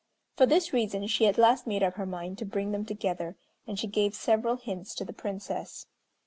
For this reason she at last made up her mind to bring them together, and she gave several hints to the Princess.